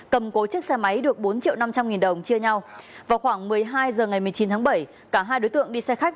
cầm cố chiếc xe máy được bốn triệu năm trăm linh nghìn đồng chia nhau vào khoảng một mươi hai h ngày một mươi chín tháng bảy cả hai đối tượng đi xe khách